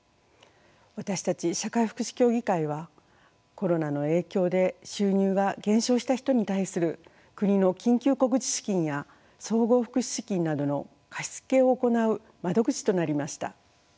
私たち社会福祉協議会はコロナの影響で収入が減少した人に対する国の緊急小口資金や総合福祉資金などの貸し付けを行う窓口となりました。